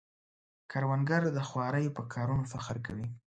کروندګر د خوارۍ په کارونو فخر کوي